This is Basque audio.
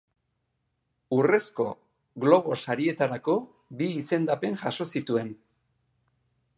Urrezko Globo Sarietarako bi izendapen jaso zituen.